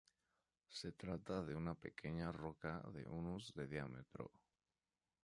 Se trata de una pequeña roca de unos de diámetro.